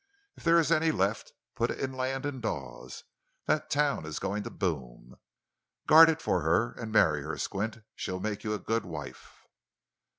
If there is any left, put it in land in Dawes—that town is going to boom. Guard it for her, and marry her, Squint; she'll make you a good wife.